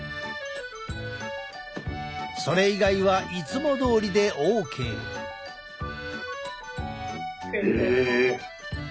それ以外はいつもどおりでＯＫ。え！